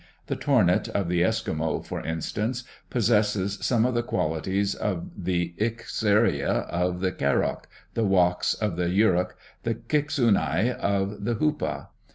The Tornit of the Eskimo, for instance, possesses some of the qualities of the Ikxareya of the Karok, the Waghe of the Yurok, the Kixunai of the Hupa.